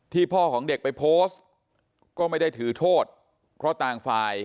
พ่อของเด็กไปโพสต์ก็ไม่ได้ถือโทษเพราะต่างฝ่าย